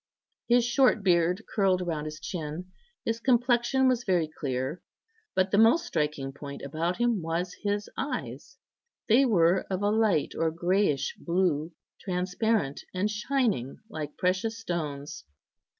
His short beard curled round his chin; his complexion was very clear. But the most striking point about him was his eyes; they were of a light or greyish blue, transparent, and shining like precious stones.